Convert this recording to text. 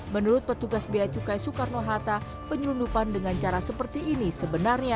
menurut petugas beacukai soekarno hatta penyelundupan dengan cara seperti ini sebenarnya